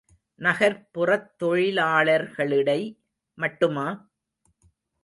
நகர்ப்புறத் தொழிலாளர்களிடை மட்டுமா?